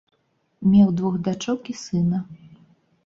Меў двух дачок і сына.